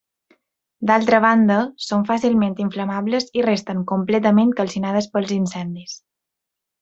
D'altra banda, són fàcilment inflamables i resten completament calcinades pels incendis.